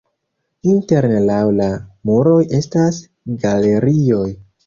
Interne laŭ la muroj estas galerioj.